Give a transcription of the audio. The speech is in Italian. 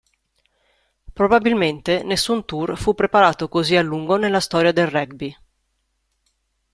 Probabilmente nessun tour fu preparato così a lungo nella storia del rugby.